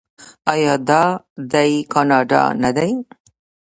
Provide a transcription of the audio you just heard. آیا دا دی کاناډا نه دی؟